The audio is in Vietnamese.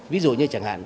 ví dụ như chẳng hạn